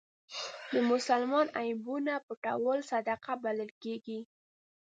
د مسلمان عیبونه پټول صدقه بلل کېږي.